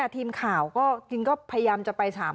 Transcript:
ทีมข่าวก็พยายามจะไปถาม